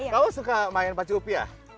kamu suka main pacu upiah